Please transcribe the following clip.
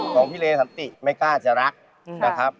ของพี่เลสันติไม่กล้าจะรักนะครับ